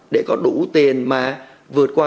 để có đủ tiền mà vượt qua